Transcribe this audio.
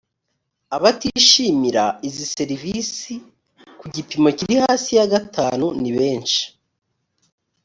abatishimira izi serivisi ku gipimo kiri hasi ya gatanuni benshi